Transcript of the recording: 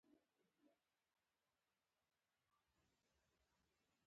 څومره بې بنسټه کورونه مو جوړ کړي.